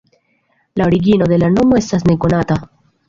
La origino de la nomo estas nekonata.